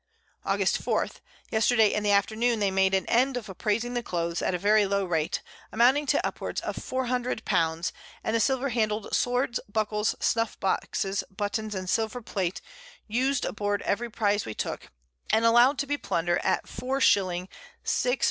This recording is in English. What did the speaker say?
August 4. Yesterday in the Afternoon they made an End of appraising the Clothes at a very low rate, amounting to upwards of 400_l._ and the Silver handled Swords, Buckles, Snuff Boxes, Buttons, and Silver Plate in use aboard every Prize we took, and allow'd to be Plunder at 4_s._ 6_d.